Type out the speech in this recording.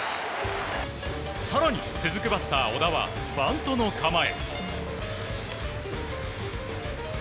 更に、続くバッター小田はバントの構え。